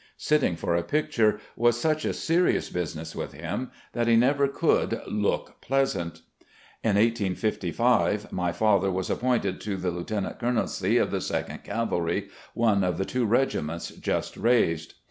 Sitting for a picture was such a serious business with him that he never could "look pleasant." In 1855 my father was appointed to the lieutenant colonelcy of the Second Cavalry, one of the two regiments just raised.